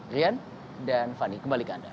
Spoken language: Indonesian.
rian dan fani kembali ke anda